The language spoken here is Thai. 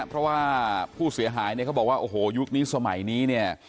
เพราะว่าผู้เสียหายเนี่ยเขาบอกว่าโอ้โหยุคนี้สมัยนี้เนี่ย